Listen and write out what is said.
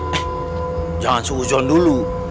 eh jangan suguh suguh dulu